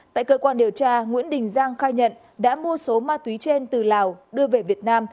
tại cơ quan điều tra nguyễn đình giang khai nhận đã mua số ma túy trên từ lào đưa về việt nam